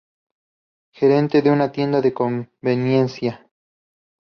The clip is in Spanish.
Gerente de una tienda de conveniencia.